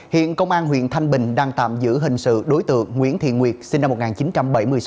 hiện công an huyện thanh bình đang tạm giữ hình sự đối tượng nguyễn thị nguyệt sinh năm một nghìn chín trăm bảy mươi sáu